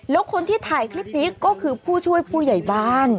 แล้วคนที่ถ่ายคลิปนี้ก็คือผู้ช่วยผู้ใหญ่บ้าน